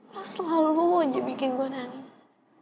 lo selalu aja bikin gue nangis